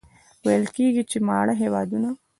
ویل کېږي ماړه هېوادونه.